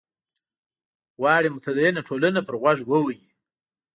غواړي متدینه ټولنه پر غوږ ووهي.